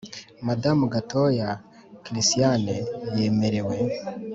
Madamu gatoya christiane yemerewe